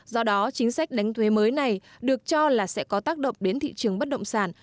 do đó chính sách đánh thuế mới này được cho là sẽ có tác động đến thị trường bất động sản